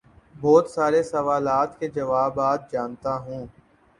بہت سارے سوالات کے جوابات جانتا ہوں